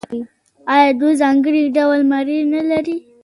آیا دوی ځانګړي ډول مڼې نلري؟